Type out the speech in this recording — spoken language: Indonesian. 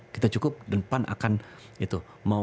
kita cukup dan pan akan itu